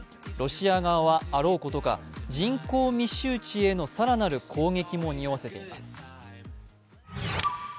ロシア側は、あろうことか人口密集地へのさらなる攻撃も匂わせています。